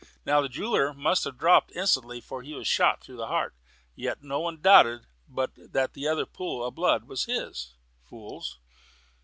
Now the jeweller must have dropped instantly for he was shot through the heart. Yet no one doubted but that the other pool of blood was his. Fools!"